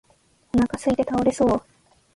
お腹がすいて倒れそう